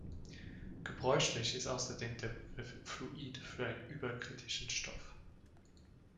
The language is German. Gebräuchlich ist außerdem der Begriff Fluid für einen überkritischen Stoff.